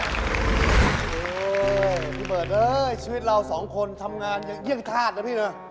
เออพี่เบิร์ดเลยชีวิตเราสองคนทำงานยังเยี่ยมทาสนะพี่เนอะ